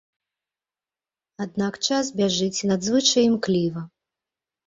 Аднак час бяжыць надзвычай імкліва.